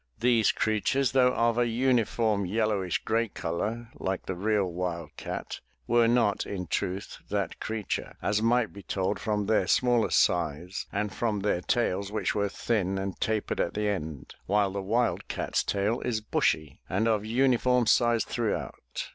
These creatures, though of a uniform yellowish gray color like the real wild cat were not in truth that creature, as might be told from their smaller size and from their tails which were thin and tapered at the end, while the wildcat^s tail is bushy and of uniform size throughout.